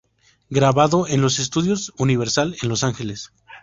Grabado en los estudios Universal, en Los Ángeles.